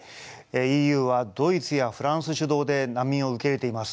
ＥＵはドイツやフランス主導で難民を受け入れています。